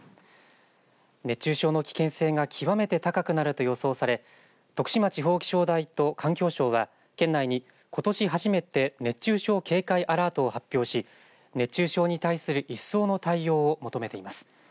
熱中症の危険性が極めて高くなると予想され徳島地方気象台と環境省は県内にことし初めて熱中症警戒アラートを発表し熱中症に対する一層の対応を求めています。